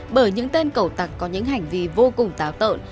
bởi những tên cầu tặc có những hành vi vô cùng táo tợn